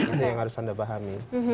itu yang harus anda pahami